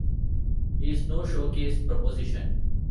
He's no showcase proposition!